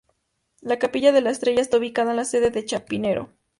La capilla de la Estrella está ubicada en la sede de Chapinero.